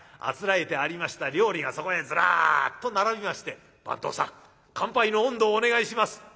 あつらえてありました料理がそこへずらっと並びまして「番頭さん乾杯の音頭をお願いします」。